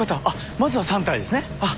まずは３体ですね。